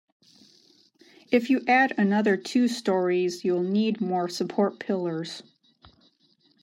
If you add another two storeys, you'll need more support pillars.